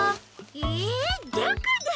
えどこだ？